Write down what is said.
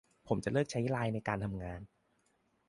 ผมจะเลิกใช้ไลน์ในการทำงาน